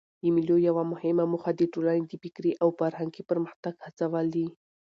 د مېلو یوه مهمه موخه د ټولني د فکري او فرهنګي پرمختګ هڅول دي.